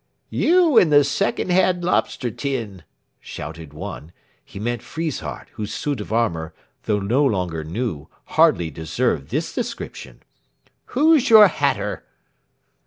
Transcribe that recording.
"You in the second hand lobster tin," shouted one he meant Friesshardt, whose suit of armour, though no longer new, hardly deserved this description "who's your hatter?"